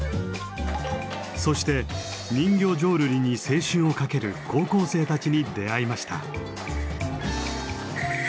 そして人形浄瑠璃に青春をかける高校生たちに出会いました。